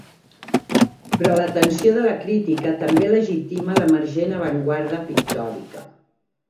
Però l'atenció de la crítica també legitima l'emergent avantguarda pictòrica.